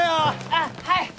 あっはい！